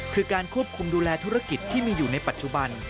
คือการควบคุมดูแลธุรกิจที่มีอยู่ในปัจจุบัน